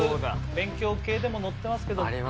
勉強系でも載ってますけどありますね